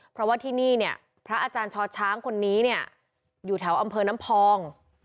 เพราะว่าที่นี่เนี่ยพระอาจารย์ชอช้างคนนี้เนี่ยอยู่แถวอำเภอน้ำพอง